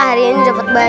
hari ini dapat banyak